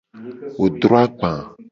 Wo dro agba.